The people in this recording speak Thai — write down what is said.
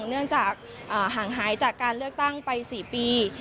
เนื่องจากห่างหายจากการเลือกตั้งไป๔ปี